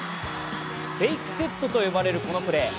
フェイクセットと呼ばれるこのプレー。